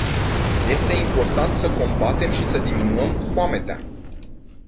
Este important să combatem și să diminuăm foametea.